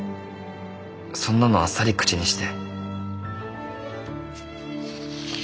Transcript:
「そんなのあっさり口にして」。